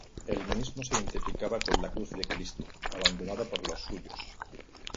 Él mismo se identificaba con la cruz de Cristo, abandonado por los suyos.